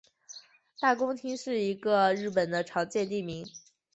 大工町是一个日本的常见地名。